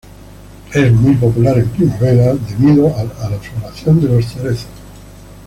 Es muy popular en primavera, debido a la floración de los cerezos.